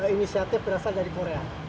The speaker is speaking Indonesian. inisiatif berasal dari korea